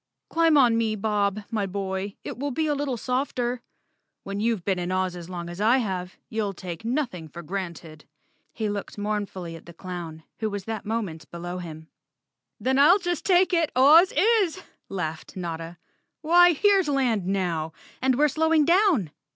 " Climb on me, Bob, my boy. It will be a little softer. WTien you've been in Oz as long as I have; you'll take nothing for granted." He looked mourn 130 Chapter Ten fully at the clown who was that moment below him. " Then IT1 just take it Oz is," laughed Notta. " Why, here's land now! And we're slowing down."